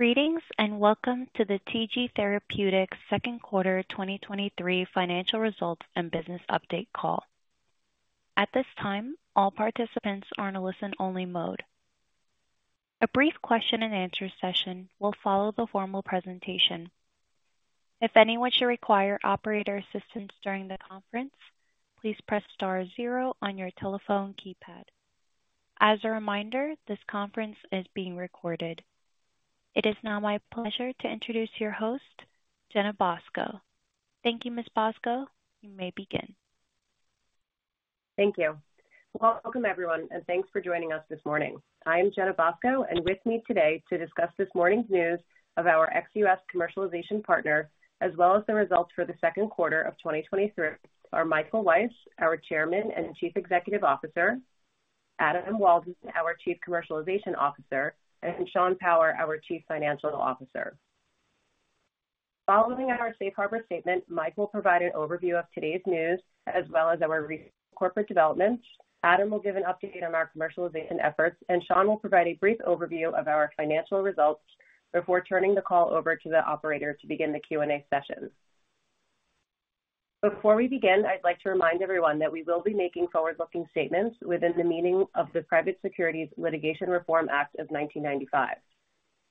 Greetings. Welcome to the TG Therapeutics second quarter 2023 financial results and business update call. At this time, all participants are in a listen-only mode. A brief question and answer session will follow the formal presentation. If anyone should require operator assistance during the conference, please press star 0 on your telephone keypad. As a reminder, this conference is being recorded. It is now my pleasure to introduce your host, Jenna Bosco. Thank you, Ms. Bosco. You may begin. Thank you. Welcome, everyone, and thanks for joining us this morning. I am Jenna Bosco, with me today to discuss this morning's news of our ex-US commercialization partner, as well as the results for the second quarter of 2023, are Michael Weiss, our Chairman and Chief Executive Officer; Adam Waldman, our Chief Commercialization Officer; and Sean Power, our Chief Financial Officer. Following our safe harbor statement, Mike will provide an overview of today's news as well as our recent corporate developments. Adam will give an update on our commercialization efforts, and Sean will provide a brief overview of our financial results before turning the call over to the operator to begin the Q&A session. Before we begin, I'd like to remind everyone that we will be making forward-looking statements within the meaning of the Private Securities Litigation Reform Act of 1995.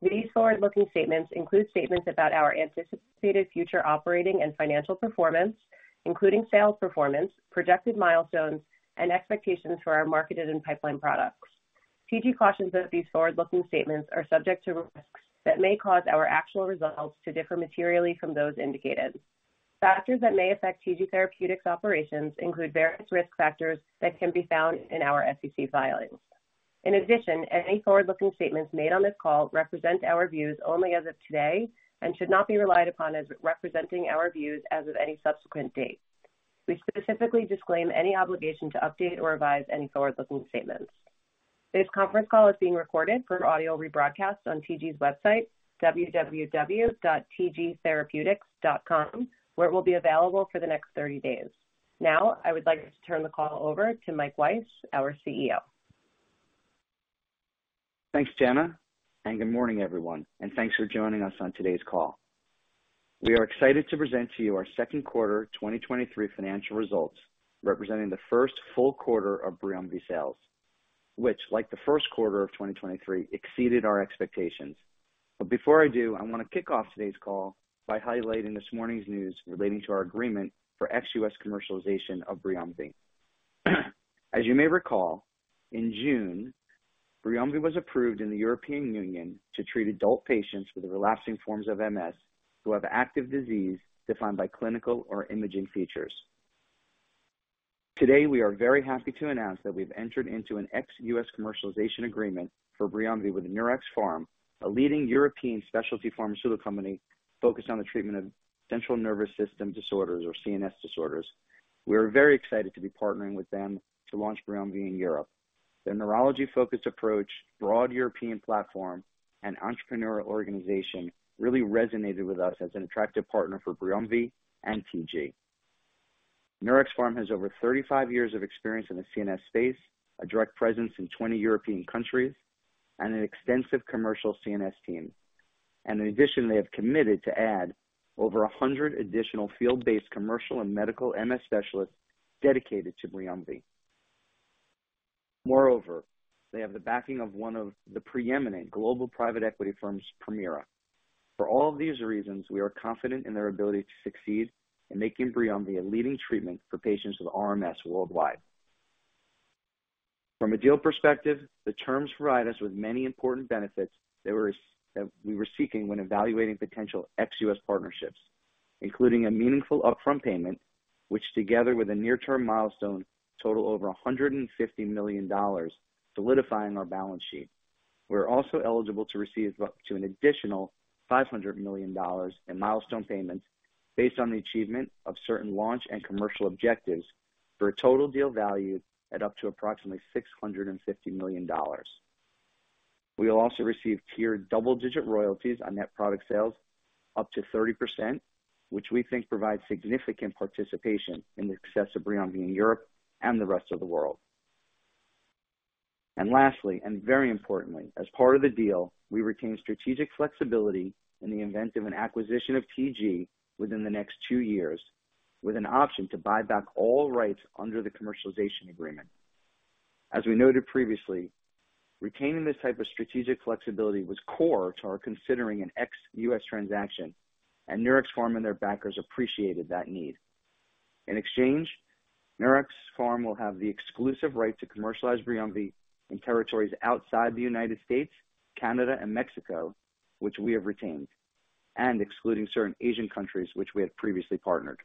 These forward-looking statements include statements about our anticipated future operating and financial performance, including sales performance, projected milestones, and expectations for our marketed and pipeline products. TG cautions that these forward-looking statements are subject to risks that may cause our actual results to differ materially from those indicated. Factors that may affect TG Therapeutics operations include various risk factors that can be found in our SEC filings. In addition, any forward-looking statements made on this call represent our views only as of today and should not be relied upon as representing our views as of any subsequent date. We specifically disclaim any obligation to update or revise any forward-looking statements. This conference call is being recorded for audio rebroadcast on TG's website, www.tgtherapeutics.com, where it will be available for the next 30 days. Now, I would like to turn the call over to Mike Weiss, our CEO. Thanks, Jenna. Good morning, everyone, and thanks for joining us on today's call. We are excited to present to you our second quarter 2023 financial results, representing the first full quarter of BRIUMVI sales, which, like the first quarter of 2023, exceeded our expectations. Before I do, I want to kick off today's call by highlighting this morning's news relating to our agreement for ex-US commercialization of BRIUMVI. As you may recall, in June, BRIUMVI was approved in the European Union to treat adult patients with relapsing forms of MS who have active disease defined by clinical or imaging features. Today, we are very happy to announce that we've entered into an ex-US commercialization agreement for BRIUMVI with Neuraxpharm, a leading European specialty pharmaceutical company focused on the treatment of central nervous system disorders or CNS disorders. We are very excited to be partnering with them to launch BRIUMVI in Europe. Their neurology-focused approach, broad European platform, and entrepreneurial organization really resonated with us as an attractive partner for BRIUMVI and TG. Neuraxpharm has over 35 years of experience in the CNS space, a direct presence in 20 European countries, and an extensive commercial CNS team. In addition, they have committed to add over 100 additional field-based commercial and medical MS specialists dedicated to BRIUMVI. Moreover, they have the backing of one of the preeminent global private equity firms, Permira. For all of these reasons, we are confident in their ability to succeed in making BRIUMVI a leading treatment for patients with RMS worldwide. From a deal perspective, the terms provide us with many important benefits that we were seeking when evaluating potential ex-US partnerships, including a meaningful upfront payment, which, together with a near-term milestone, total over $150 million, solidifying our balance sheet. We're also eligible to receive up to an additional $500 million in milestone payments based on the achievement of certain launch and commercial objectives, for a total deal value at up to approximately $650 million. We will also receive tiered double-digit royalties on net product sales, up to 30%, which we think provides significant participation in the success of BRIUMVI in Europe and the rest of the world. Lastly, and very importantly, as part of the deal, we retain strategic flexibility in the event of an acquisition of TG within the next two years, with an option to buy back all rights under the commercialization agreement. As we noted previously, retaining this type of strategic flexibility was core to our considering an ex-US transaction, and NeuraxPharm and their backers appreciated that need. In exchange, Neuraxpharm will have the exclusive right to commercialize BRIUMVI in territories outside the United States, Canada, and Mexico, which we have retained, and excluding certain Asian countries, which we had previously partnered.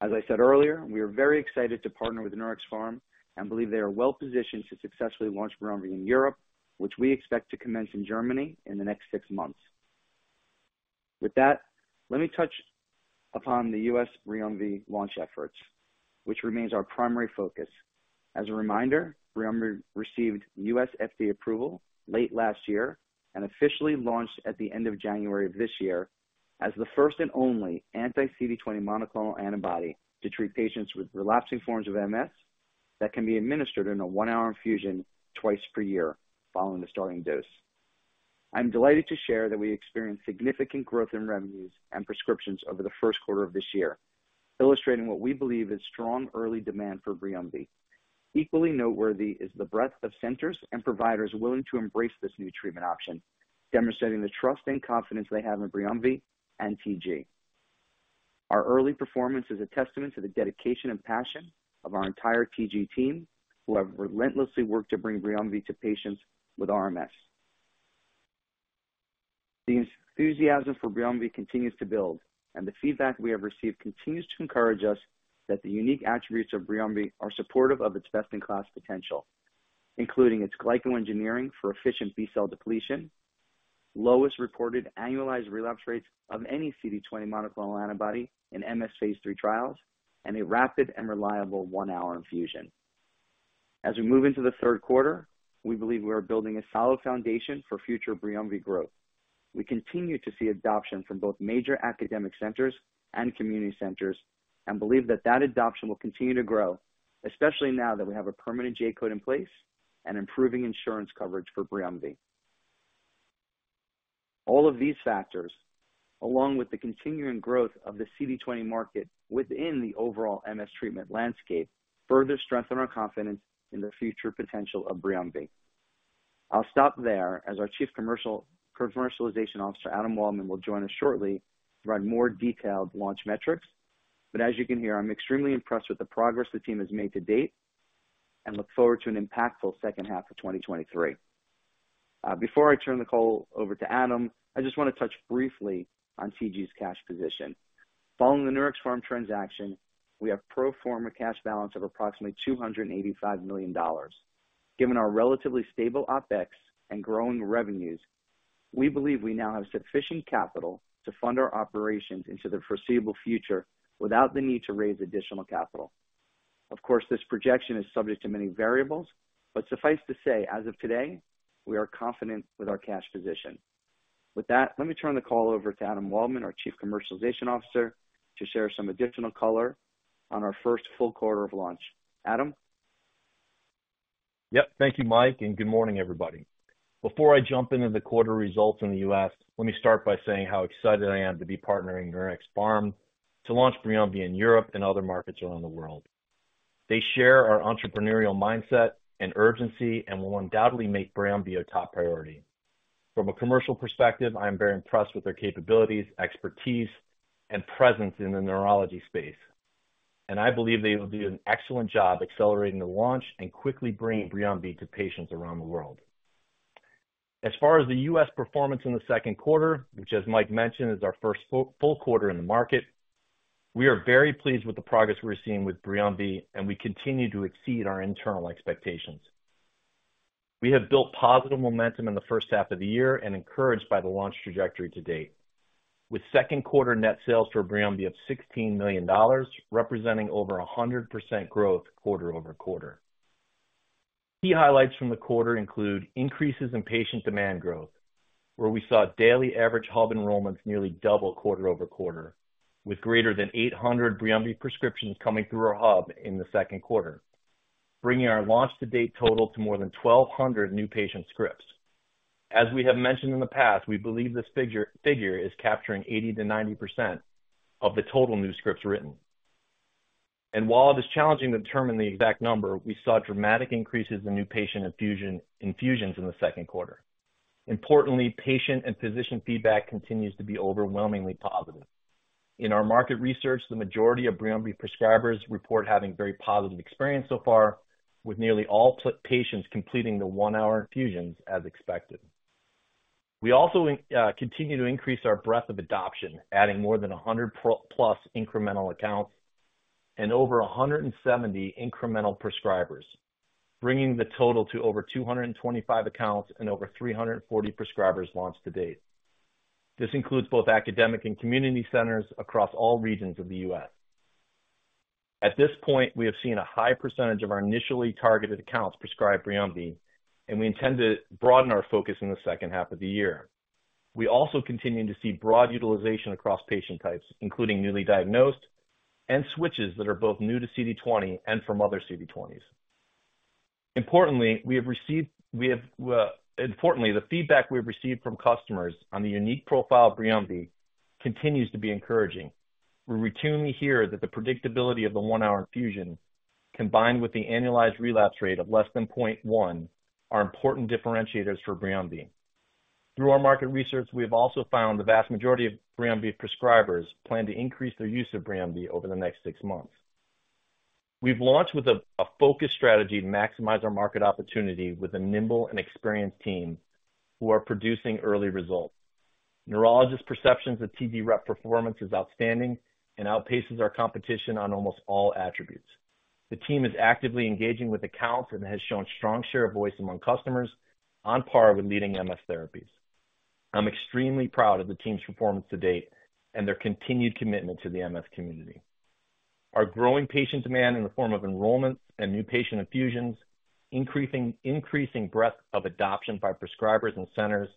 As I said earlier, we are very excited to partner with Neuraxpharm and believe they are well positioned to successfully launch BRIUMVI in Europe, which we expect to commence in Germany in the next 6 months. With that, let me touch upon the U.S. BRIUMVI launch efforts, which remains our primary focus. As a reminder, BRIUMVI received U.S. FDA approval late last year and officially launched at the end of January of this year as the first and only anti-CD20 monoclonal antibody to treat patients with relapsing forms of MS that can be administered in a 1-hour infusion twice per year following the starting dose. I'm delighted to share that we experienced significant growth in revenues and prescriptions over the first quarter of this year, illustrating what we believe is strong early demand for BRIUMVI. Equally noteworthy is the breadth of centers and providers willing to embrace this new treatment option, demonstrating the trust and confidence they have in BRIUMVI and TG. Our early performance is a testament to the dedication and passion of our entire TG team, who have relentlessly worked to bring BRIUMVI to patients with RMS. The enthusiasm for BRIUMVI continues to build, and the feedback we have received continues to encourage us that the unique attributes of BRIUMVI are supportive of its best-in-class potential, including its glycoengineering for efficient B-cell depletion, lowest reported annualized relapse rates of any CD20 monoclonal antibody in MS phase 3 trials, and a rapid and reliable 1-hour infusion. As we move into the third quarter, we believe we are building a solid foundation for future BRIUMVI growth. We continue to see adoption from both major academic centers and community centers and believe that that adoption will continue to grow, especially now that we have a permanent J code in place and improving insurance coverage for BRIUMVI. All of these factors, along with the continuing growth of the CD20 market within the overall MS treatment landscape, further strengthen our confidence in the future potential of BRIUMVI. I'll stop there as our Chief Commercialization Officer, Adam Waldman, will join us shortly to provide more detailed launch metrics. As you can hear, I'm extremely impressed with the progress the team has made to date and look forward to an impactful second half of 2023. Before I turn the call over to Adam, I just want to touch briefly on TG's cash position. Following the Neuraxpharm transaction, we have pro forma cash balance of approximately $285 million. Given our relatively stable OpEx and growing revenues, we believe we now have sufficient capital to fund our operations into the foreseeable future without the need to raise additional capital. Of course, this projection is subject to many variables, but suffice to say, as of today, we are confident with our cash position. With that, let me turn the call over to Adam Waldman, our Chief Commercialization Officer, to share some additional color on our first full quarter of launch. Adam? Yep. Thank you, Mike. Good morning, everybody. Before I jump into the quarter results in the US, let me start by saying how excited I am to be partnering Neuraxpharm to launch BRIUMVI in Europe and other markets around the world. They share our entrepreneurial mindset and urgency and will undoubtedly make BRIUMVI a top priority. From a commercial perspective, I am very impressed with their capabilities, expertise, and presence in the neurology space, and I believe they will do an excellent job accelerating the launch and quickly bringing BRIUMVI to patients around the world. As far as the US performance in the second quarter, which, as Mike mentioned, is our first full, full quarter in the market, we are very pleased with the progress we're seeing with BRIUMVI, and we continue to exceed our internal expectations. We have built positive momentum in the first half of the year and encouraged by the launch trajectory to date, with second quarter net sales for BRIUMVI of $16 million, representing over 100% growth quarter-over-quarter. Key highlights from the quarter include increases in patient demand growth, where we saw daily average hub enrollments nearly double quarter-over-quarter, with greater than 800 BRIUMVI prescriptions coming through our hub in the second quarter, bringing our launch-to-date total to more than 1,200 new patient scripts. As we have mentioned in the past, we believe this figure, figure is capturing 80%-90% of the total new scripts written. While it is challenging to determine the exact number, we saw dramatic increases in new patient infusion, infusions in the second quarter. Importantly, patient and physician feedback continues to be overwhelmingly positive. In our market research, the majority of BRIUMVI prescribers report having very positive experience so far, with nearly all patients completing the 1-hour infusions as expected. We also continue to increase our breadth of adoption, adding more than 100 plus incremental accounts and over 170 incremental prescribers, bringing the total to over 225 accounts and over 340 prescribers launched to date. This includes both academic and community centers across all regions of the U.S. At this point, we have seen a high percentage of our initially targeted accounts prescribe BRIUMVI, and we intend to broaden our focus in the 2nd half of the year. We also continue to see broad utilization across patient types, including newly diagnosed and switches that are both new to CD20 and from other CD20s. Importantly, we have received... We have, importantly, the feedback we've received from customers on the unique profile of BRIUMVI continues to be encouraging. We routinely hear that the predictability of the 1-hour infusion, combined with the annualized relapse rate of less than 0.1, are important differentiators for BRIUMVI. Through our market research, we have also found the vast majority of BRIUMVI prescribers plan to increase their use of BRIUMVI over the next six months. We've launched with a focused strategy to maximize our market opportunity with a nimble and experienced team who are producing early results. Neurologist perceptions of TD rep performance is outstanding and outpaces our competition on almost all attributes. The team is actively engaging with accounts and has shown strong share of voice among customers on par with leading MS therapies. I'm extremely proud of the team's performance to date and their continued commitment to the MS community. Our growing patient demand in the form of enrollments and new patient infusions, increasing, increasing breadth of adoption by prescribers and centers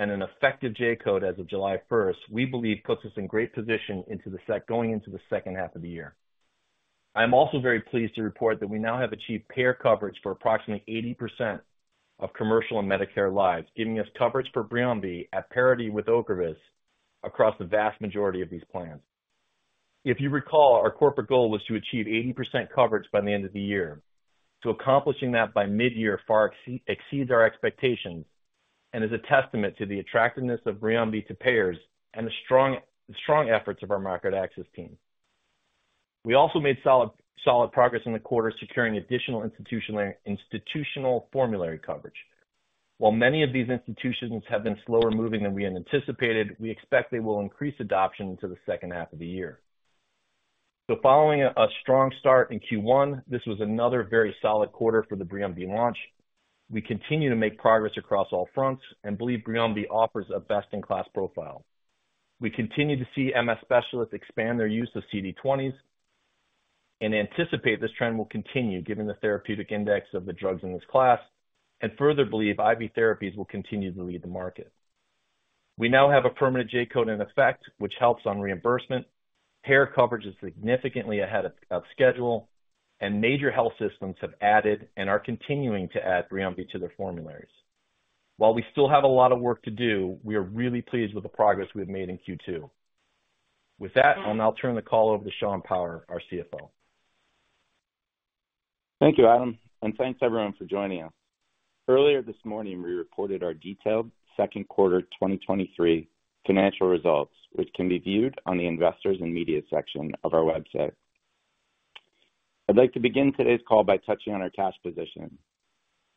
and an effective J-code as of July 1st, we believe puts us in great position into the going into the second half of the year. I'm also very pleased to report that we now have achieved payer coverage for approximately 80% of commercial and Medicare lives, giving us coverage for BRIUMVI at parity with Ocrevus across the vast majority of these plans. If you recall, our corporate goal was to achieve 80% coverage by the end of the year. Accomplishing that by mid-year far exceeds our expectations and is a testament to the attractiveness of BRIUMVI to payers and the strong, strong efforts of our market access team. We also made solid, solid progress in the quarter, securing additional institutional formulary coverage. While many of these institutions have been slower moving than we had anticipated, we expect they will increase adoption into the second half of the year. Following a strong start in Q1, this was another very solid quarter for the BRIUMVI launch. We continue to make progress across all fronts and believe BRIUMVI offers a best-in-class profile. We continue to see MS specialists expand their use of CD20s and anticipate this trend will continue, given the therapeutic index of the drugs in this class, and further believe IV therapies will continue to lead the market. We now have a permanent J-code in effect, which helps on reimbursement. Payer coverage is significantly ahead of schedule, and major health systems have added and are continuing to add BRIUMVI to their formularies. While we still have a lot of work to do, we are really pleased with the progress we've made in Q2. With that, I'll now turn the call over to Sean Power, our CFO. Thank you, Adam. Thanks everyone for joining us. Earlier this morning, we reported our detailed second quarter 2023 financial results, which can be viewed on the Investors and Media section of our website. I'd like to begin today's call by touching on our cash position.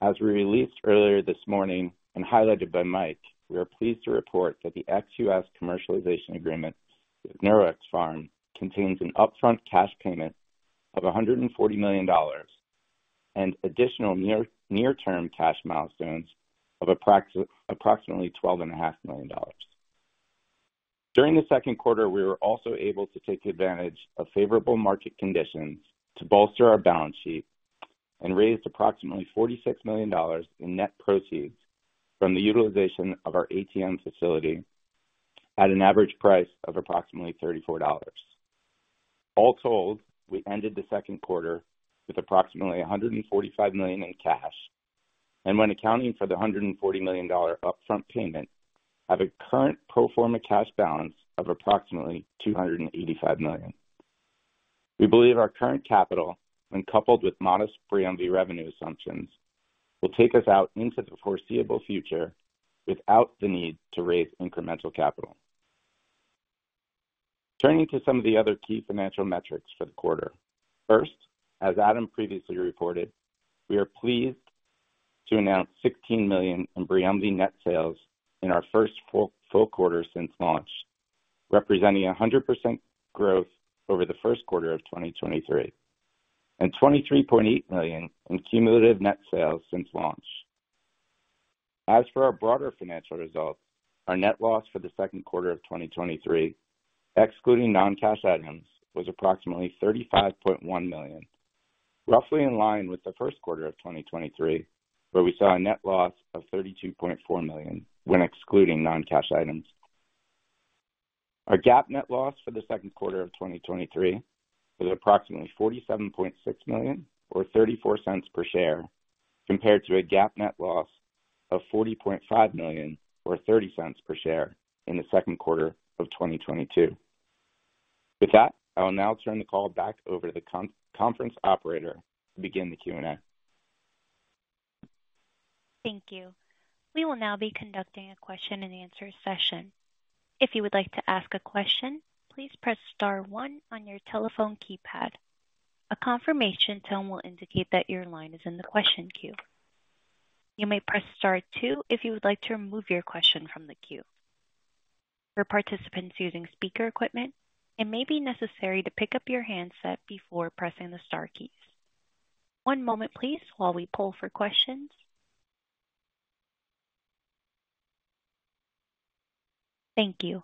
As we released earlier this morning and highlighted by Mike, we are pleased to report that the ex-U.S. commercialization agreement with Neuraxpharm contains an upfront cash payment of $140 million and additional near-term cash milestones of approximately $12.5 million. During the second quarter, we were also able to take advantage of favorable market conditions to bolster our balance sheet and raised approximately $46 million in net proceeds from the utilization of our ATM facility at an average price of approximately $34. All told, we ended the second quarter with approximately $145 million in cash, and when accounting for the $140 million upfront payment, have a current pro forma cash balance of approximately $285 million. We believe our current capital, when coupled with modest BRIUMVI revenue assumptions, will take us out into the foreseeable future without the need to raise incremental capital. Turning to some of the other key financial metrics for the quarter. First, as Adam previously reported, we are pleased to announce $16 million in BRIUMVI net sales in our first full, full quarter since launch, representing 100% growth over the first quarter of 2023, and $23.8 million in cumulative net sales since launch. As for our broader financial results, our net loss for the second quarter of 2023, excluding non-cash items, was approximately $35.1 million, roughly in line with the first quarter of 2023, where we saw a net loss of $32.4 million when excluding non-cash items. Our GAAP net loss for the second quarter of 2023 was approximately $47.6 million, or $0.34 per share, compared to a GAAP net loss of $40.5 million, or $0.30 per share in the second quarter of 2022. With that, I will now turn the call back over to the conference operator to begin the Q&A. Thank you. We will now be conducting a question-and-answer session. If you would like to ask a question, please press star one on your telephone keypad. A confirmation tone will indicate that your line is in the question queue. You may press star two if you would like to remove your question from the queue. For participants using speaker equipment, it may be necessary to pick up your handset before pressing the star keys. One moment please, while we poll for questions. Thank you.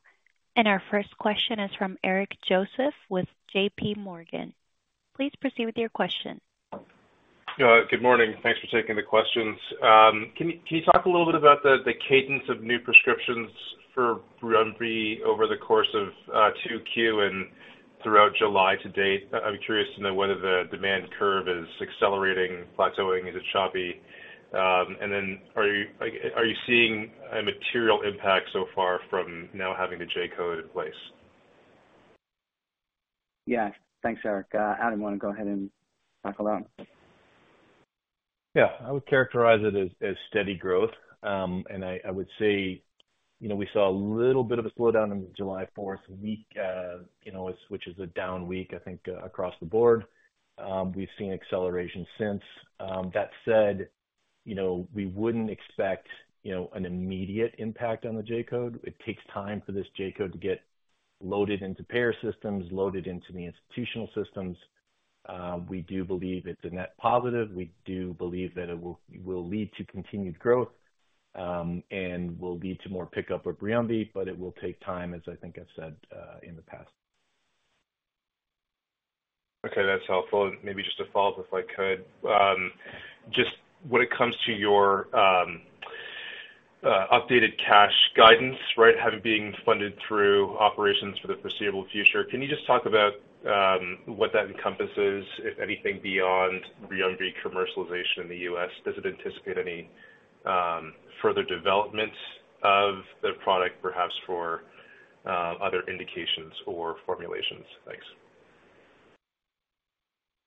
Our first question is from Eric Joseph with JPMorgan. Please proceed with your question. Good morning. Thanks for taking the questions. Can you, can you talk a little bit about the, the cadence of new prescriptions for BRIUMVI over the course of 2Q and throughout July to date? I'm curious to know whether the demand curve is accelerating, plateauing, is it choppy? And then are you, are you seeing a material impact so far from now having the J-code in place? Yeah. Thanks, Eric. Adam, you want to go ahead and tackle that? Yeah, I would characterize it as, as steady growth. I, I would say, you know, we saw a little bit of a slowdown in the July 4th week, you know, which is a down week, I think, across the board. We've seen acceleration since. That said, you know, we wouldn't expect, you know, an immediate impact on the J-code. It takes time for this J-code to get loaded into payer systems, loaded into the institutional systems. We do believe it's a net positive. We do believe that it will, will lead to continued growth, and will lead to more pickup of BRIUMVI, but it will take time, as I think I've said, in the past. Okay, that's helpful. Maybe just a follow-up, if I could. Just when it comes to your updated cash guidance, right, having being funded through operations for the foreseeable future, can you just talk about what that encompasses, if anything, beyond BRIUMVI commercialization in the U.S.? Does it anticipate any further development of the product, perhaps for other indications or formulations? Thanks.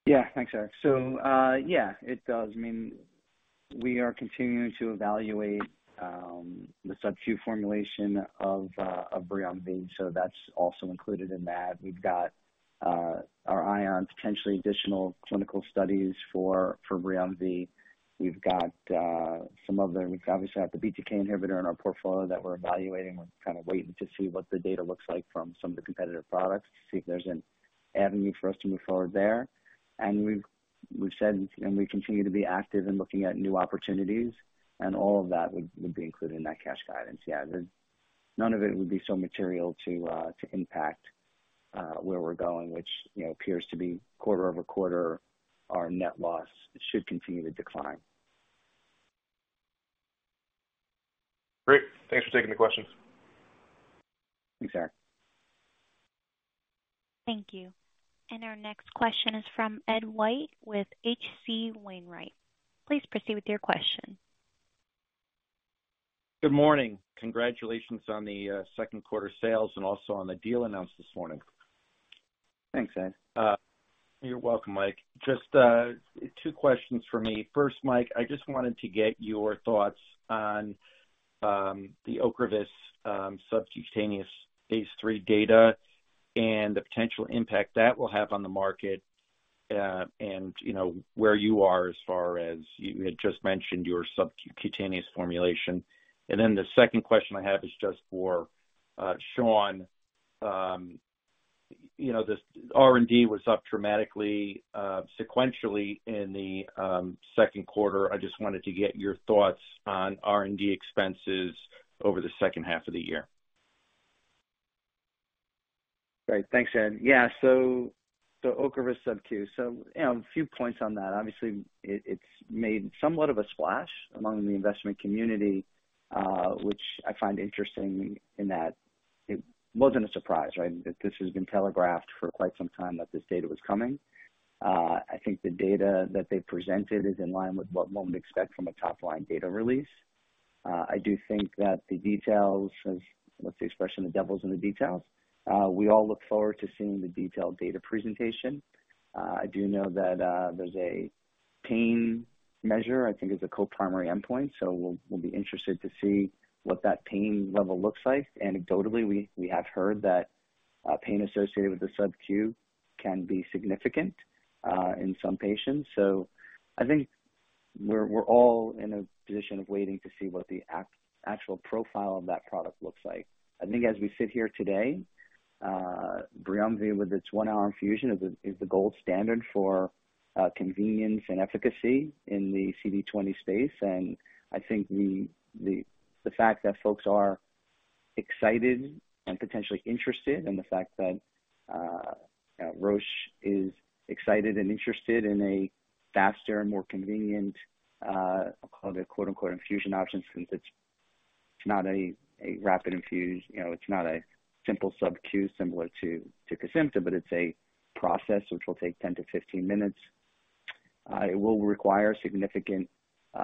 Yeah, thanks, Eric. Yeah, it does. I mean, we are continuing to evaluate the subcu formulation of BRIUMVI, so that's also included in that. We've got our eye on potentially additional clinical studies for BRIUMVI. We've got some other. We've obviously got the BTK inhibitor in our portfolio that we're evaluating. We're kind of waiting to see what the data looks like from some of the competitive products to see if there's an avenue for us to move forward there. We've, we've said, and we continue to be active in looking at new opportunities, and all of that would, would be included in that cash guidance. None of it would be so material to impact where we're going, which, you know, appears to be quarter-over-quarter, our net loss should continue to decline. Great. Thanks for taking the questions. Thanks, Eric. Thank you. Our next question is from Ed White with H.C. Wainwright. Please proceed with your question. Good morning. Congratulations on the second quarter sales and also on the deal announced this morning. Thanks, Ed. You're welcome, Mike. Just two questions for me. First, Mike, I just wanted to get your thoughts on the Ocrevus subcutaneous phase III data and the potential impact that will have on the market, and, you know, where you are as far as you had just mentioned your subcutaneous formulation. The second question I have is just for Sean. You know, the R&D was up dramatically sequentially in the second quarter. I just wanted to get your thoughts on R&D expenses over the second half of the year. Great. Thanks, Ed. Yeah, so, so Ocrevus subcu. You know, a few points on that. Obviously, it, it's made somewhat of a splash among the investment community, which I find interesting in that it wasn't a surprise, right? This has been telegraphed for quite some time that this data was coming. I think the data that they presented is in line with what one would expect from a top-line data release. I do think that the details of, what's the expression? The devil's in the details. We all look forward to seeing the detailed data presentation. I do know that there's a pain measure, I think it's a co-primary endpoint, so we'll, we'll be interested to see what that pain level looks like. Anecdotally, we, we have heard that pain associated with the subcu can be significant in some patients. I think we're, we're all in a position of waiting to see what the actual profile of that product looks like. I think as we sit here today, BRIUMVI, with its 1-hour infusion, is the, is the gold standard for convenience and efficacy in the CD20 space. I think the, the, the fact that folks are excited and potentially interested, and the fact that Roche is excited and interested in a faster and more convenient, I'll call it a quote, unquote, "infusion option," since it's, it's not a, a rapid infuse, you know, it's not a simple subcu similar to, to Kesimpta, but it's a process which will take 10 to 15 minutes. It will require significant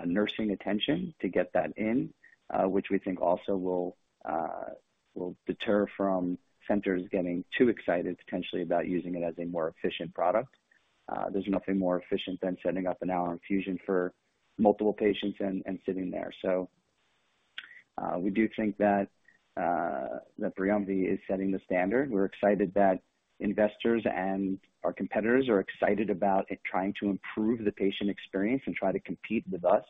nursing attention to get that in, which we think also will deter from centers getting too excited potentially about using it as a more efficient product. There's nothing more efficient than setting up an hour infusion for multiple patients and sitting there. We do think that BRIUMVI is setting the standard. We're excited that investors and our competitors are excited about it, trying to improve the patient experience and try to compete with us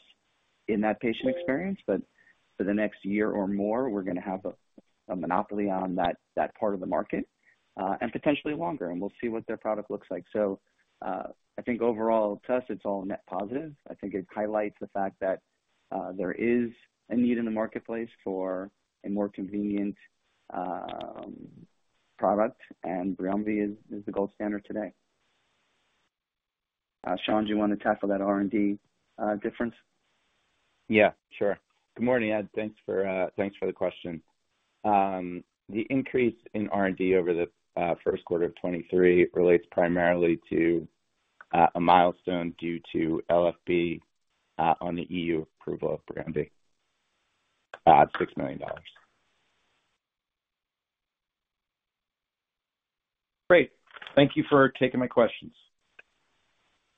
in that patient experience. For the next year or more, we're gonna have a monopoly on that, that part of the market, and potentially longer, and we'll see what their product looks like. I think overall to us, it's all net positive. I think it highlights the fact that there is a need in the marketplace for a more convenient product, and BRIUMVI is, is the gold standard today. Sean, do you want to tackle that R&D difference? Yeah, sure. Good morning, Ed. Thanks for, thanks for the question. The increase in R&D over the first quarter of 2023 relates primarily to a milestone due to LFB on the EU approval of BRIUMVI at $6 million. Great. Thank you for taking my questions.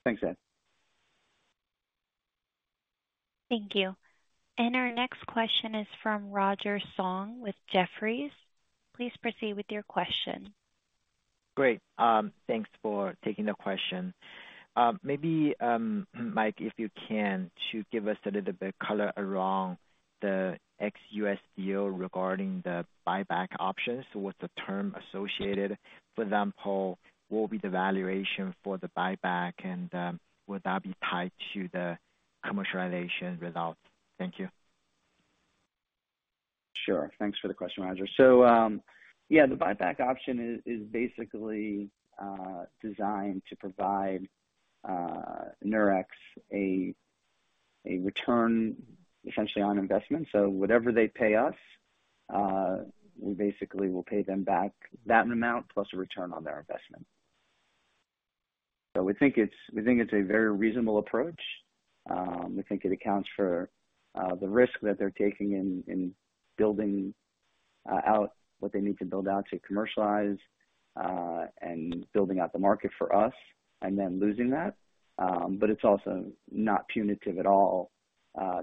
Thanks, Ed. Thank you. Our next question is from Roger Song with Jefferies. Please proceed with your question. Great. Thanks for taking the question. Maybe Mike, if you can, to give us a little bit color around the ex-US deal regarding the buyback options. What's the term associated? For example, what will be the valuation for the buyback, and, will that be tied to the commercialization results? Thank you. Sure. Thanks for the question, Roger. Yeah, the buyback option is, is basically designed to provide Neurax a, a return essentially on investment. Whatever they pay us, we basically will pay them back that amount plus a return on their investment. We think it's, we think it's a very reasonable approach. We think it accounts for the risk that they're taking in, in building out what they need to build out to commercialize and building out the market for us and then losing that. But it's also not punitive at all,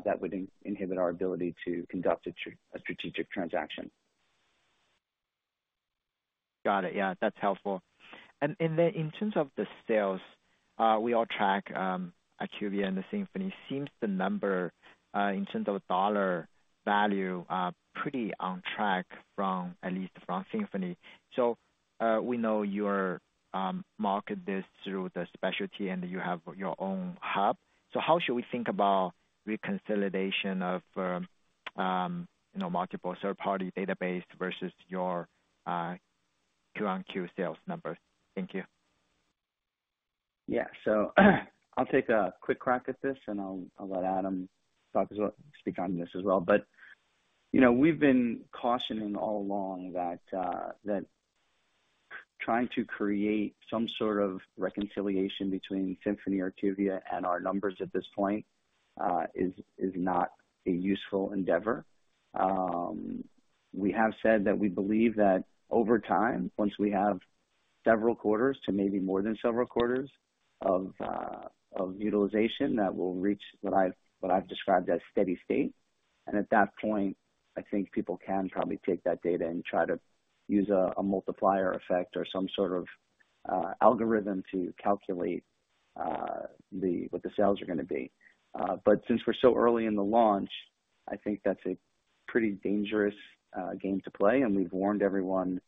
that would inhibit our ability to conduct a strategic transaction. Got it. Yeah, that's helpful. Then in terms of the sales, we all track IQVIA and the Symphony. Seems the number, in terms of dollar value, are pretty on track from, at least from Symphony. We know you're market this through the specialty and you have your own hub. How should we think about reconciliation of, you know, multiple third-party database versus your Q-on-Q sales numbers? Thank you. Yeah. I'll take a quick crack at this, and I'll, I'll let Adam talk as well, speak on this as well. You know, we've been cautioning all along that trying to create some sort of reconciliation between Symphony or IQVIA and our numbers at this point is not a useful endeavor. We have said that we believe that over time, once we have several quarters to maybe more than several quarters of utilization, that we'll reach what I've, what I've described as steady state. At that point, I think people can probably take that data and try to use a, a multiplier effect or some sort of algorithm to calculate the, what the sales are going to be. But since we're so early in the launch, I think that's a pretty dangerous game to play. We've warned everyone,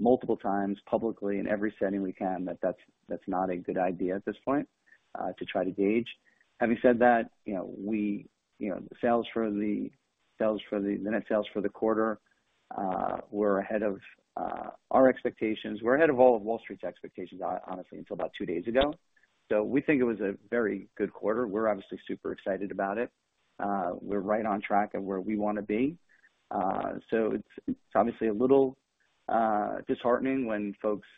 multiple times publicly, in every setting we can, that that's, that's not a good idea at this point, to try to gauge. Having said that, you know, we, you know, net sales for the quarter were ahead of our expectations. We're ahead of all of Wall Street's expectations, honestly, until about two days ago. We think it was a very good quarter. We're obviously super excited about it. We're right on track of where we want to be. It's, it's obviously a little disheartening when folks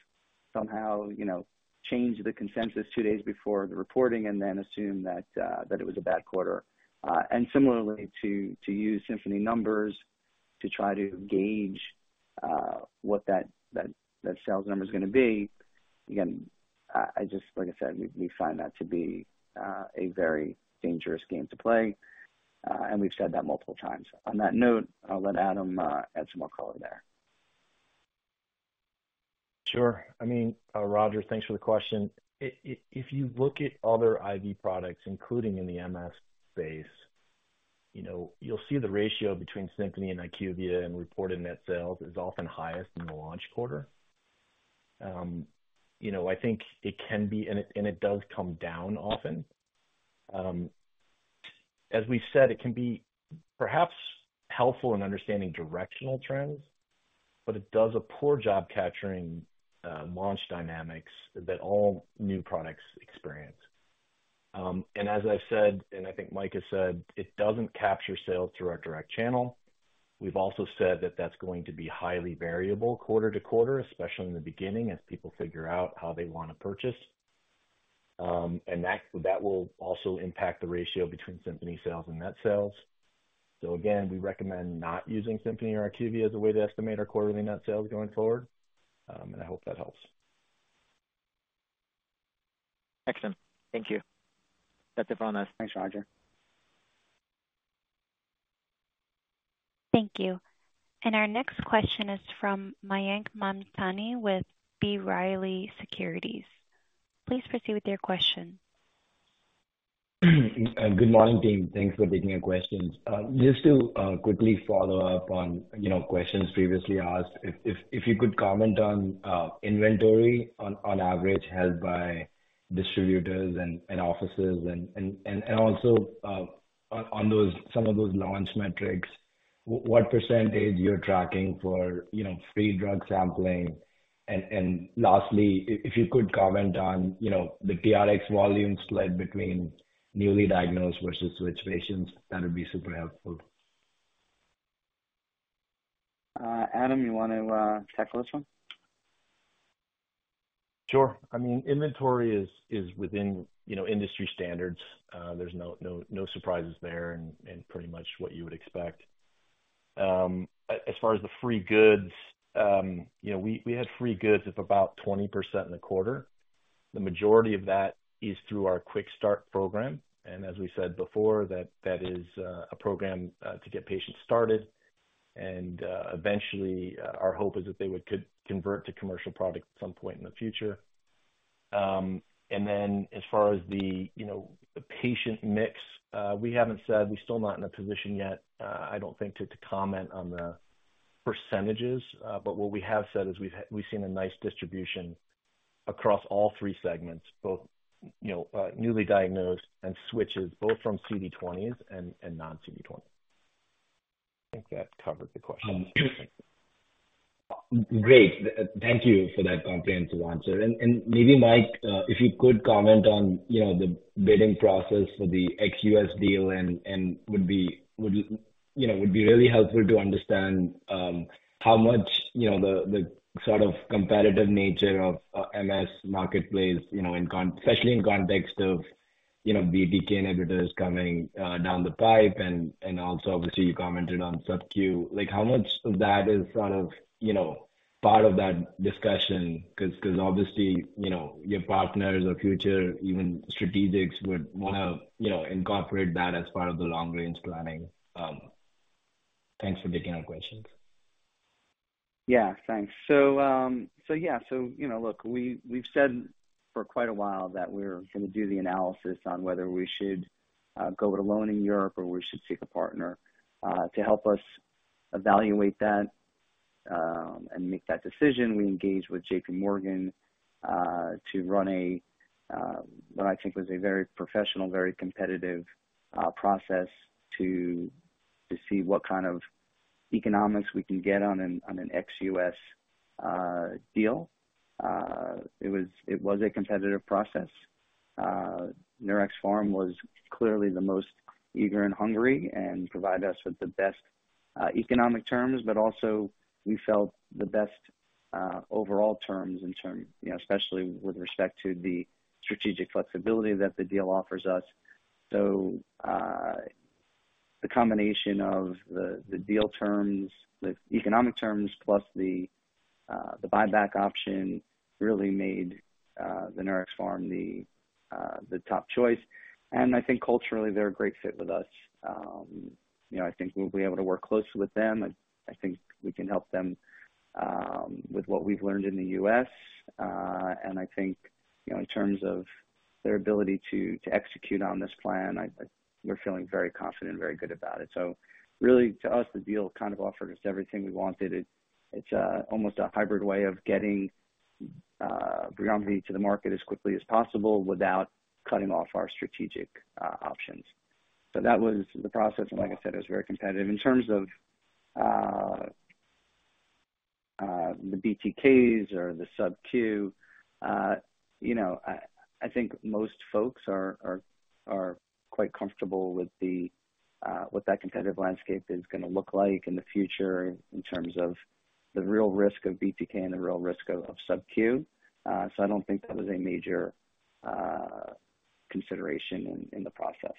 somehow, you know, change the consensus two days before the reporting and then assume that it was a bad quarter. Similarly, to, to use Symphony numbers to try to gauge, what that, that, that sales number is going to be. Again, I, I just like I said, we, we find that to be, a very dangerous game to play, and we've said that multiple times. On that note, I'll let Adam add some more color there. Sure. I mean, Roger, thanks for the question. If you look at other IV products, including in the MS space, you know, you'll see the ratio between Symphony and IQVIA, and reported net sales is often highest in the launch quarter. You know, I think it can be, and it, and it does come down often. As we've said, it can be perhaps helpful in understanding directional trends, but it does a poor job capturing, launch dynamics that all new products experience. And as I've said, and I think Mike has said, it doesn't capture sales through our direct channel. We've also said that that's going to be highly variable quarter to quarter, especially in the beginning, as people figure out how they want to purchase. And that, that will also impact the ratio between Symphony sales and net sales. Again, we recommend not using Symphony or IQVIA as a way to estimate our quarterly net sales going forward. I hope that helps. Excellent. Thank you. That's it from us. Thanks, Roger. Thank you. Our next question is from Mayank Mamtani with B. Riley Securities. Please proceed with your question. Good morning, team. Thanks for taking the questions. Just to quickly follow up on, you know, questions previously asked, if you could comment on inventory on average held by distributors and offices and also on those, some of those launch metrics, what % you're tracking for, you know, free drug sampling? Lastly, if you could comment on, you know, the TRX volume split between newly diagnosed versus switch patients, that would be super helpful. Adam, you want to tackle this one? Sure. I mean, inventory is, is within, you know, industry standards. There's no, no, no surprises there and, pretty much what you would expect. As far as the free goods, you know, we, we had free goods of about 20% in the quarter. The majority of that is through our Quick Start program, and as we said before, that, that is a program to get patients started. Eventually, our hope is that they would convert to commercial product at some point in the future. As far as the, you know, the patient mix, we haven't said. We're still not in a position yet, I don't think, to, to comment on the percentages. What we have said is we've seen a nice distribution.... across all 3 segments, both, you know, newly diagnosed and switches, both from CD20s and, and non-CD20. I think that covered the question. Great. Thank you for that comprehensive answer. Maybe, Mike, if you could comment on, you know, the bidding process for the ex-US deal and would be really helpful to understand, how much, you know, the, the sort of competitive nature of MS marketplace, you know, especially in context of, you know, BTK inhibitors coming down the pipe. Also, obviously, you commented on subcu. Like, how much of that is sort of, you know, part of that discussion? 'Cause, 'cause obviously, you know, your partners or future, even strategics would want to, you know, incorporate that as part of the long-range planning. Thanks for taking our questions. Yeah, thanks. You know, look, we, we've said for quite a while that we're going to do the analysis on whether we should go it alone in Europe or we should seek a partner. To help us evaluate that and make that decision, we engaged with JPMorgan to run a what I think was a very professional, very competitive process to see what kind of economics we can get on an ex-US deal. It was, it was a competitive process. Neuraxpharm was clearly the most eager and hungry and provided us with the best economic terms, but also we felt the best overall terms in terms, you know, especially with respect to the strategic flexibility that the deal offers us. The combination of the deal terms, the economic terms, plus the buyback option, really made the Neuraxpharm the top choice. I think culturally, they're a great fit with us. You know, I think we'll be able to work closely with them. I, I think we can help them with what we've learned in the U.S. I think, you know, in terms of their ability to execute on this plan, I, I... we're feeling very confident and very good about it. Really, to us, the deal kind of offered us everything we wanted. It's almost a hybrid way of getting BRIUMVI to the market as quickly as possible without cutting off our strategic options. That was the process, and like I said, it was very competitive. In terms of, the BTKs or the subcu, you know, I, I think most folks are, are, are quite comfortable with the, what that competitive landscape is going to look like in the future in terms of the real risk of BTK and the real risk of, of subcu. I don't think that was a major consideration in, in the process.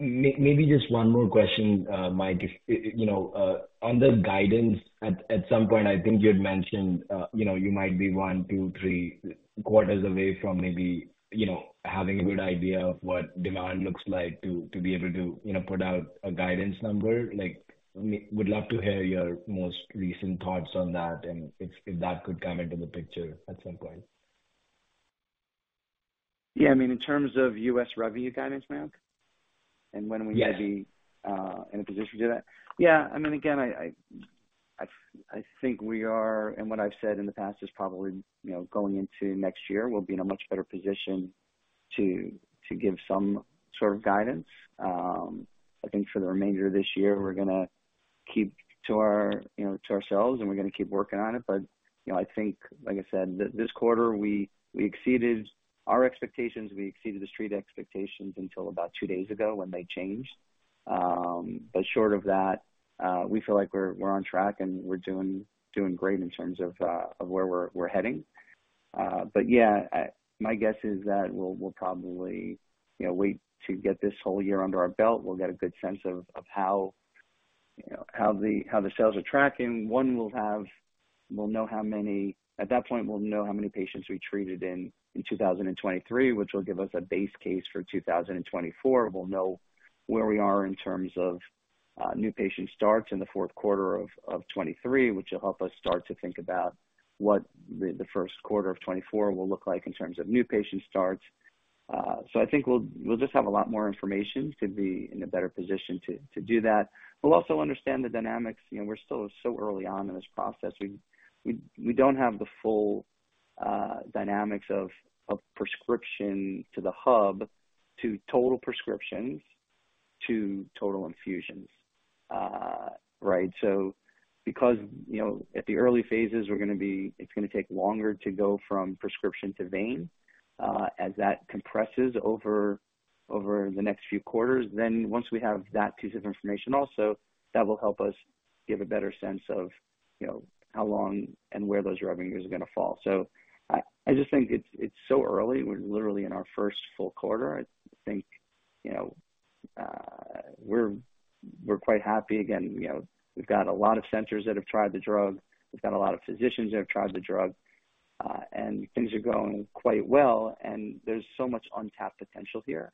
Maybe just one more question, Mike. If, you know, on the guidance, at, at some point, I think you had mentioned, you know, you might be 1, 2, 3 quarters away from maybe, you know, having a good idea of what demand looks like to, to be able to, you know, put out a guidance number. Like, we would love to hear your most recent thoughts on that and if, if that could come into the picture at some point. Yeah, I mean, in terms of U.S. revenue guidance, Mayank? When we might be. Yes. in a position to do that? Yeah, I mean, again, I, I, I, I think we are. What I've said in the past is probably, you know, going into next year, we'll be in a much better position to, to give some sort of guidance. I think for the remainder of this year, we're going to keep to our, you know, to ourselves, and we're going to keep working on it. You know, I think, like I said, this quarter we, we exceeded our expectations. We exceeded the street expectations until about two days ago when they changed. Short of that, we feel like we're, we're on track, and we're doing, doing great in terms of where we're, we're heading. Yeah, my guess is that we'll, we'll probably, you know, wait to get this whole year under our belt. We'll get a good sense of, of how, you know, how the, how the sales are tracking. One, we'll know how many patients we treated in 2023, which will give us a base case for 2024. We'll know where we are in terms of new patient starts in the fourth quarter of 2023, which will help us start to think about what the first quarter of 2024 will look like in terms of new patient starts. I think we'll, we'll just have a lot more information to be in a better position to, to do that. We'll also understand the dynamics. You know, we're still so early on in this process. We, we, we don't have the full dynamics of, of prescription to the hub, to total prescriptions, to total infusions, right? Because, you know, at the early phases, it's going to take longer to go from prescription to vein. As that compresses over, over the next few quarters, then once we have that piece of information also, that will help us give a better sense of, you know, how long and where those revenues are going to fall. I, I just think it's, it's so early. We're literally in our first full quarter. I think, you know, we're, we're quite happy. Again, you know, we've got a lot of centers that have tried the drug. We've got a lot of physicians that have tried the drug, and things are going quite well, and there's so much untapped potential here.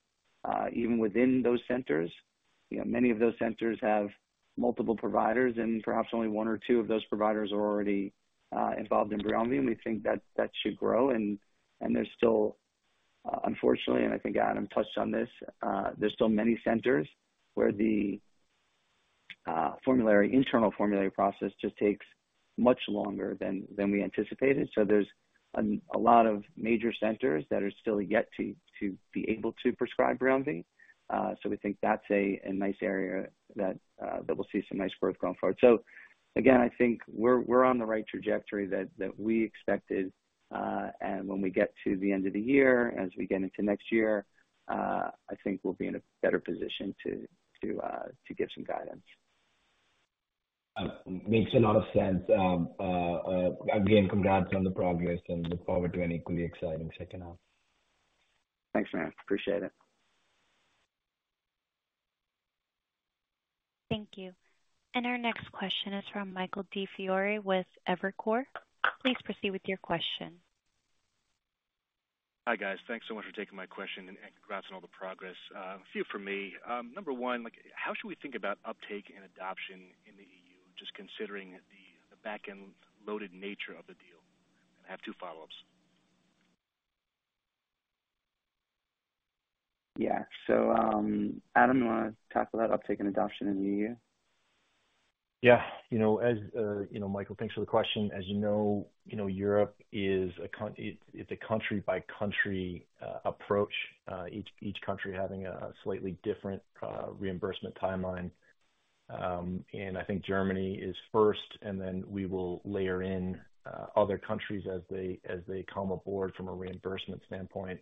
Even within those centers, you know, many of those centers have multiple providers, and perhaps only one or two of those providers are already involved in BRIUMVI, and we think that, that should grow. There's still, unfortunately, and I think Adam touched on this, there's still many centers where formulary, internal formulary process just takes much longer than, than we anticipated. There's a, a lot of major centers that are still yet to, to be able to prescribe BRIUMVI. We think that's a, a nice area that, that we'll see some nice growth going forward. Again, I think we're, we're on the right trajectory that, that we expected. When we get to the end of the year, as we get into next year, I think we'll be in a better position to, to, to give some guidance. Makes a lot of sense. Again, congrats on the progress and look forward to an equally exciting second half. Thanks, Man. Appreciate it. Thank you. Our next question is from Michael DiFiore with Evercore. Please proceed with your question. Hi, guys. Thanks so much for taking my question and congrats on all the progress. A few from me. Number one, how should we think about uptake and adoption in the EU, just considering the back-end loaded nature of the deal? I have two follow-ups. Yeah. Adam, you want to tackle that uptake and adoption in the EU? Yeah. You know, as you know, Michael, thanks for the question. As you know, you know, Europe is a country-by-country approach, each country having a slightly different reimbursement timeline. I think Germany is first, and then we will layer in other countries as they come aboard from a reimbursement standpoint.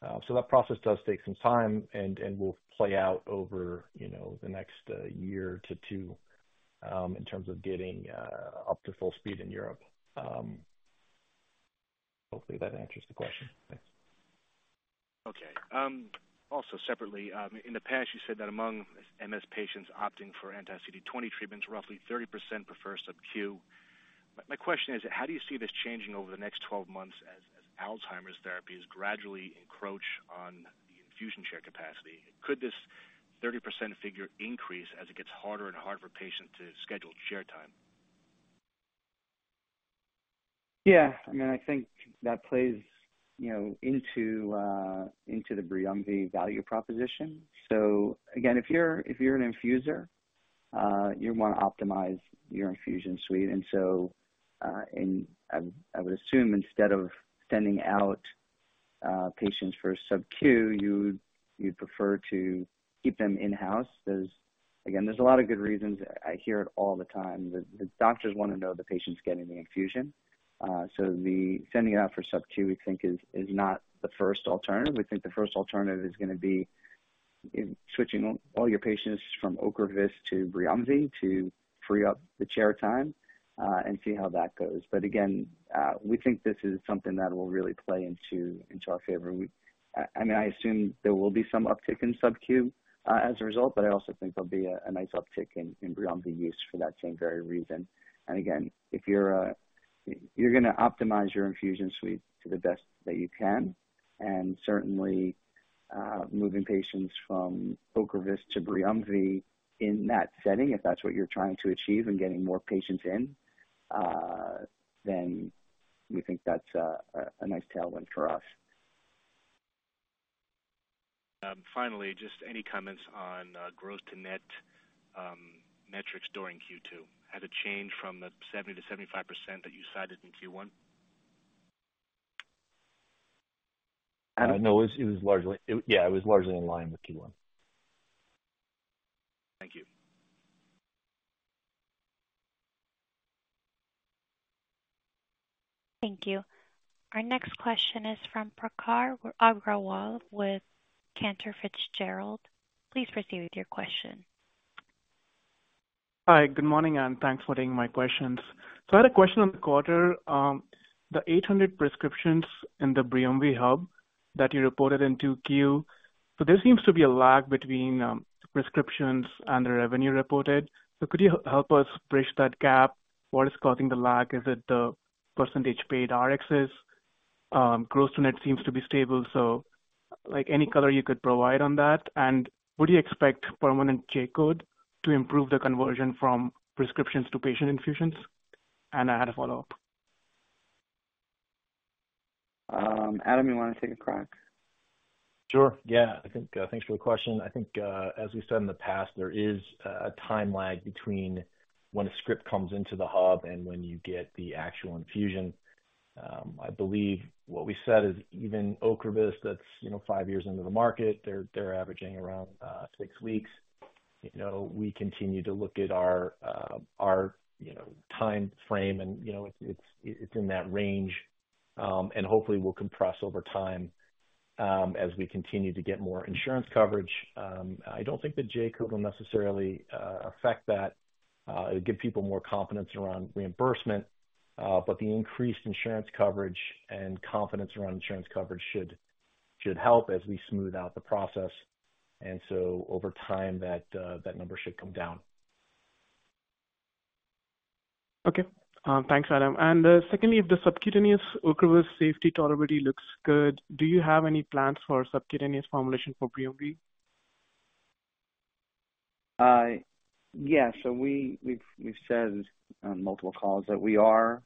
That process does take some time and will play out over, you know, the next year to 2 in terms of getting up to full speed in Europe. Hopefully that answers the question. Thanks. Okay. Also separately, in the past, you said that among MS patients opting for anti-CD20 treatments, roughly 30% prefer subQ. My question is: How do you see this changing over the next 12 months as Alzheimer's therapies gradually encroach on the infusion chair capacity? Could this 30% figure increase as it gets harder and harder for patients to schedule chair time? Yeah, I mean, I think that plays, you know, into, into the BRIUMVI value proposition. Again, if you're, if you're an infuser, you want to optimize your infusion suite. And I, I would assume instead of sending out patients for subcu, you'd, you'd prefer to keep them in-house. There's again, there's a lot of good reasons. I hear it all the time, the, the doctors want to know the patient's getting the infusion. The sending out for subcu, we think, is, is not the first alternative. We think the first alternative is going to be switching all your patients from Ocrevus to BRIUMVI to free up the chair time, and see how that goes. Again, we think this is something that will really play into, into our favor. I, I mean, I assume there will be some uptick in subQ as a result, but I also think there'll be a, a nice uptick in, in BRIUMVI use for that same very reason. Again, if you're going to optimize your infusion suite to the best that you can, and certainly, moving patients from Ocrevus to BRIUMVI in that setting, if that's what you're trying to achieve and getting more patients in, then we think that's a, a nice tailwind for us. finally, just any comments on gross to net metrics during Q2? Has it changed from the 70%-75% that you cited in Q1? I don't know. Yeah, it was largely in line with Q1. Thank you. Thank you. Our next question is from Prakhar Agrawal with Cantor Fitzgerald. Please proceed with your question. Hi, good morning, and thanks for taking my questions. I had a question on the quarter. The 800 prescriptions in the BRIUMVI hub that you reported in 2Q. There seems to be a lag between prescriptions and the revenue reported. Could you help us bridge that gap? What is causing the lag? Is it the percentage paid Rx's? Gross net seems to be stable, like, any color you could provide on that. Would you expect permanent J-code to improve the conversion from prescriptions to patient infusions? I had a follow-up. Adam, you want to take a crack? Sure. Yeah, I think, thanks for the question. I think, as we've said in the past, there is a time lag between when a script comes into the hub and when you get the actual infusion. I believe what we said is even Ocrevus, that's, you know, 5 years into the market, they're averaging around 6 weeks. You know, we continue to look at our, our, you know, time frame and, you know, it's in that range. And hopefully will compress over time, as we continue to get more insurance coverage. I don't think the J-code will necessarily affect that. It'll give people more confidence around reimbursement, but the increased insurance coverage and confidence around insurance coverage should help as we smooth out the process. Over time, that, that number should come down. Okay. Thanks, Adam. Secondly, if the subcutaneous Ocrevus safety tolerability looks good, do you have any plans for subcutaneous formulation for BRIUMVI? Yeah. we've, we've said on multiple calls that we are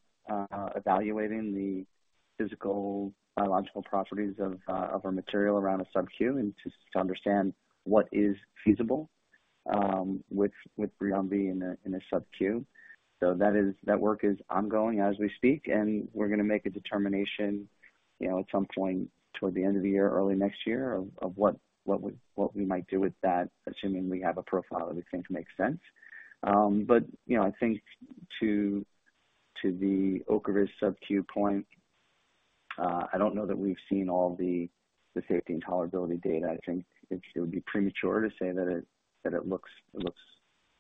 evaluating the physical biological properties of, of our material around a subcu and to, to understand what is feasible. With, with BRIUMVI in a, in a subcu. That is, that work is ongoing as we speak, and we're going to make a determination, you know, at some point toward the end of the year, early next year, of, of what, what we, what we might do with that, assuming we have a profile that we think makes sense. But, you know, I think to, to the Ocrevus subcu point, I don't know that we've seen all the, the safety and tolerability data. I think it would be premature to say that it, that it looks, it looks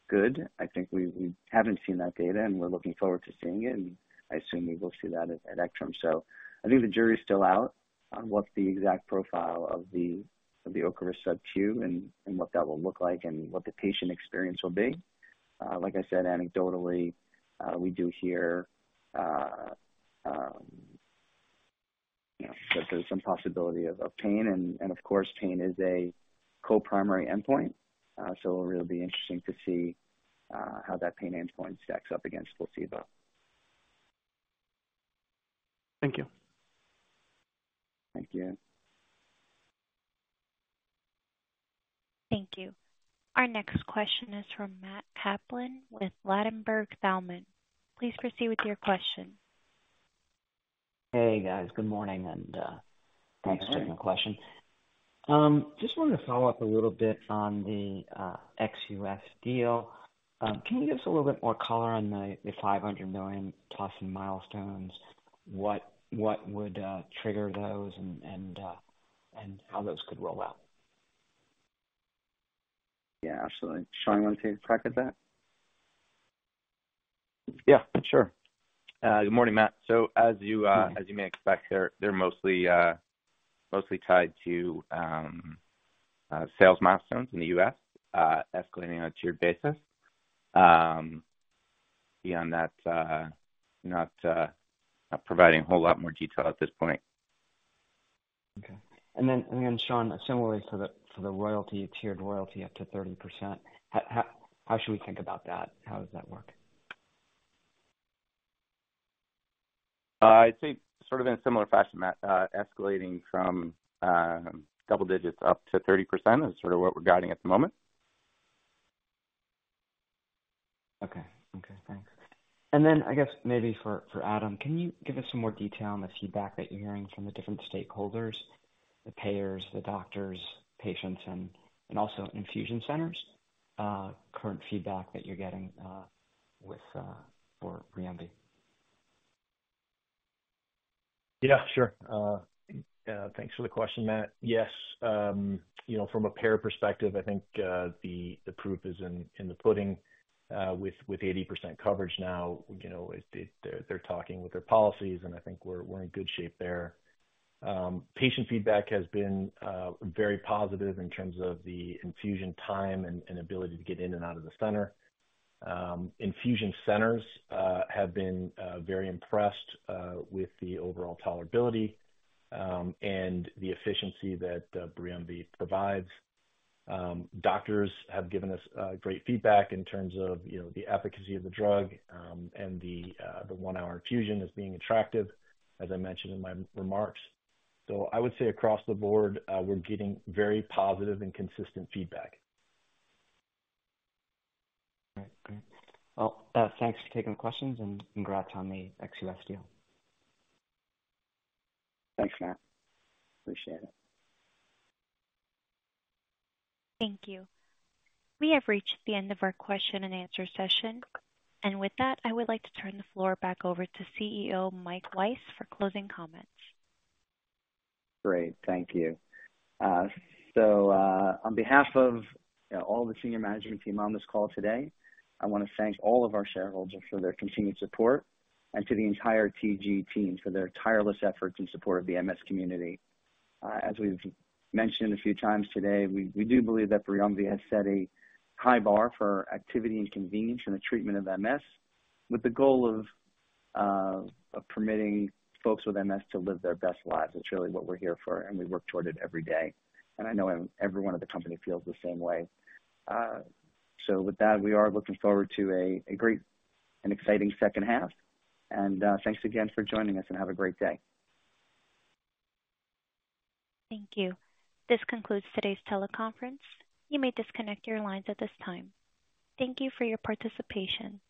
good. I think we, we haven't seen that data, and we're looking forward to seeing it, and I assume we will see that at ECTRIMS. The jury is still out on what the exact profile of the Ocrevus subQ and what that will look like and what the patient experience will be. Like I said, anecdotally, we do hear, you know, that there's some possibility of pain and, of course, pain is a co-primary endpoint. It'll be interesting to see how that pain endpoint stacks up against placebo. Thank you. Thank you. Thank you. Our next question is from Matt Kaplan with Ladenburg Thalmann. Please proceed with your question. Hey, guys. Good morning, and thanks for taking the question. Just wanted to follow up a little bit on the ex-US deal. Can you give us a little bit more color on the $500 million+ in milestones? What, what would trigger those and, and how those could roll out? Yeah, absolutely. Sean, you want to take a crack at that? Yeah, sure. Good morning, Matt. As you, as you may expect, they're, they're mostly, mostly tied to sales milestones in the U.S., escalating on a tiered basis. Beyond that, not providing a whole lot more detail at this point. Okay. Then, then, Sean, similarly for the, for the royalty, tiered royalty up to 30%, how, how, how should we think about that? How does that work? I'd say sort of in a similar fashion, Matt. Escalating from double digits up to 30% is sort of what we're guiding at the moment. Okay. Okay, thanks. Then I guess maybe for, for Adam, can you give us some more detail on the feedback that you're hearing from the different stakeholders, the payers, the doctors, patients, and, and also infusion centers, current feedback that you're getting, with, for BRIUMVI? Yeah, sure. Thanks for the question, Matt. Yes, you know, from a payer perspective, I think the proof is in the pudding, with 80% coverage now. You know, they're talking with their policies, and I think we're in good shape there. Patient feedback has been very positive in terms of the infusion time and ability to get in and out of the center. Infusion centers have been very impressed with the overall tolerability and the efficiency that BRIUMVI provides. Doctors have given us great feedback in terms of, you know, the efficacy of the drug, and the 1-hour infusion as being attractive, as I mentioned in my remarks. I would say across the board, we're getting very positive and consistent feedback. All right. Great. Well, thanks for taking the questions and congrats on the ex-US deal. Thanks, Matt. Appreciate it. Thank you. We have reached the end of our question-and-answer session, and with that, I would like to turn the floor back over to CEO Michael Weiss for closing comments. Great. Thank you. On behalf of all the senior management team on this call today, I want to thank all of our shareholders for their continued support and to the entire TG team for their tireless efforts in support of the MS community. As we've mentioned a few times today, we, we do believe that BRIUMVI has set a high bar for activity and convenience in the treatment of MS, with the goal of permitting folks with MS to live their best lives. It's really what we're here for, and we work toward it every day, and I know everyone at the company feels the same way. With that, we are looking forward to a great and exciting second half, and thanks again for joining us and have a great day. Thank you. This concludes today's teleconference. You may disconnect your lines at this time. Thank you for your participation.